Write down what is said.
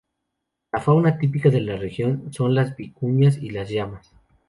La fauna típica de la región son las vicuñas y las llamas.